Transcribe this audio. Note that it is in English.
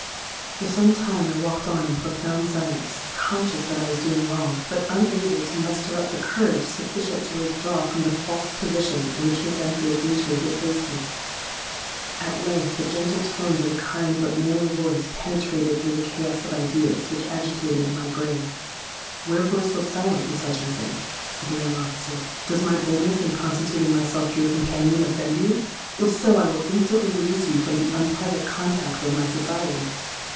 "For some time I walked on in profound silence, conscious that I was doing wrong, but unable to muster up the courage sufficient to withdraw from the false position in which Miss Enfield's intrigue had placed me. At length the gentle tones of a kind but manly voice penetrated through the chaos of ideas which agitated in my brain. 'Wherefore so silent, Miss Hutchinson?' said the young officer: 'does my boldness in constituting myself your companion offend you? If so, I will instantly release you from the unpleasant contact of my society.'